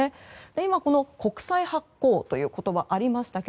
今、国債発行という言葉がありましたが